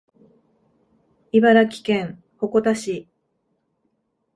茨城県鉾田市